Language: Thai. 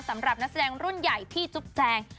สำหรับนักแสดงรุ่นใหญ่พี่จุ๊บแจง